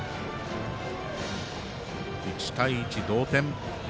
１対１、同点。